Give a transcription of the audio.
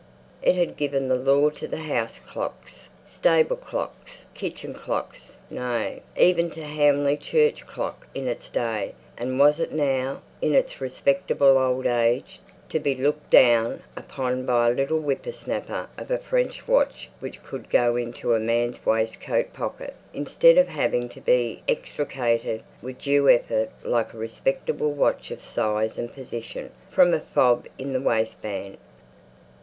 It had given the law to house clocks, stable clocks, kitchen clocks nay, even to Hamley Church clock in its day; and was it now, in its respectable old age, to be looked down upon by a little whipper snapper of a French watch which could go into a man's waistcoat pocket, instead of having to be extricated, with due effort, like a respectable watch of size and position, from a fob in the waistband?